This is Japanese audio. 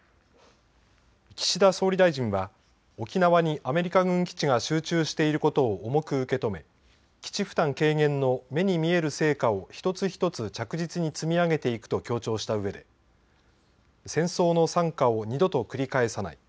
岸田総理大臣は沖縄にアメリカ軍基地が集中していることを重く受け止め基地負担軽減の目に見える成果を一つ一つ着実に積み上げていくと強調したうえで、戦争の惨禍を二度と繰り返さない。